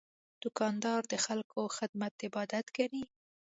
دوکاندار د خلکو خدمت عبادت ګڼي.